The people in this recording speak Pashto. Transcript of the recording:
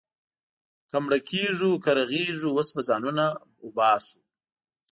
که مړه کېږو، که رغېږو، اوس به ځانونه وباسو.